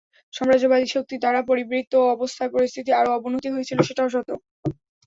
সাম্রাজ্যবাদী শক্তি দ্বারা পরিবৃত অবস্থায় পরিস্থিতির আরও অবনতি হয়েছিল সেটাও সত্য।